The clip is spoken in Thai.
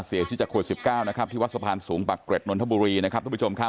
เสียชีวิตจากคุณ๑๙ที่วัสพาหารสูงปรากเกรดณถบุรีนะครับ